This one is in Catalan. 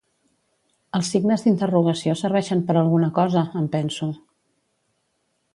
Els signes d'interrogació serveixen per a alguna cosa, em penso.